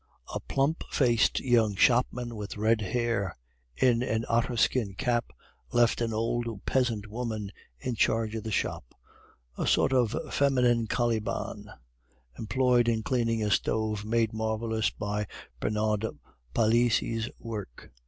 A plump faced young shopman with red hair, in an otter skin cap, left an old peasant woman in charge of the shop a sort of feminine Caliban, employed in cleaning a stove made marvelous by Bernard Palissy's work.